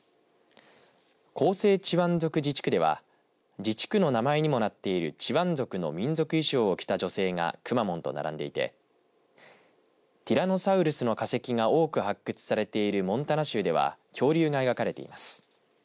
広西チワン族自治区では自治区の名前にもなっているチワン族の民族衣装を着た女性がくまモンと並んでいてティラノサウルスの化石が多く発掘されているモンタナ州では恐竜が描かれています。